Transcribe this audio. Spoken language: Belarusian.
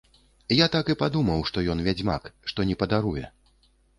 Я так і падумаў, што ён вядзьмак, што не падаруе.